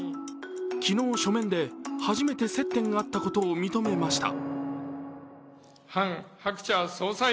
昨日、書面で初めて接点があったことを認めました。